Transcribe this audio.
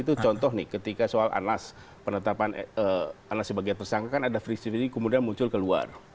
itu contoh nih ketika soal anas penetapan anas sebagai tersangka kan ada friksi friksi kemudian muncul keluar